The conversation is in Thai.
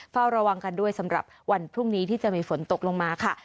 เฝ้าระวังกันด้วยสำหรับวันพรุ่งนี้ที่จะมีฝนตกลงมาค่ะ